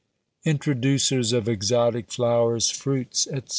INTRODUCERS OF EXOTIC FLOWERS, FRUITS, ETC.